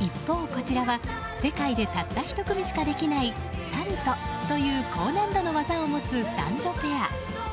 一方、こちらは世界で１組しかできないサルトという高難度の技を持つ男女ペア。